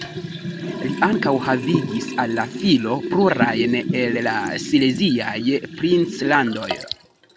Li ankaŭ havigis al la filo plurajn el la sileziaj princlandoj.